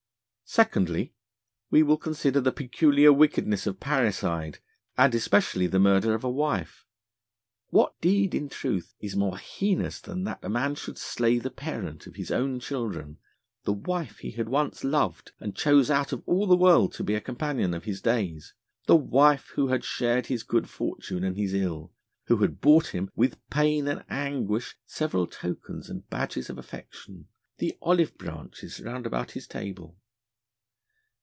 'Secondly, we will consider the peculiar wickedness of Parricide, and especially the Murder of a Wife. What deed, in truth, is more heinous than that a man should slay the Parent of his own Children, the Wife he had once loved and chose out of all the world to be a Companion of his Days; the Wife who long had shared his good Fortune and his ill, who had brought him with Pain and Anguish several Tokens and Badges of Affection, the Olive Branches round about his Table?